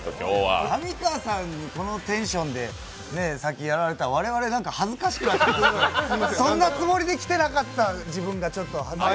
上川さんにこのテンションで先やられたら我々恥ずかしくなってそんなつもりで来てなかった我々、恥ずかしくて。